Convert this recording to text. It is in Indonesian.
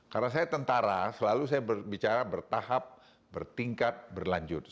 karena saya tentara selalu saya bicara bertahap bertingkat berlanjutan